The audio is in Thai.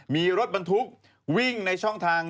มีรถบรรทุกวิ่งในช่องทาง